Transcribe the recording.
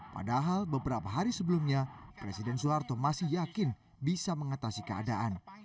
padahal beberapa hari sebelumnya presiden soeharto masih yakin bisa mengatasi keadaan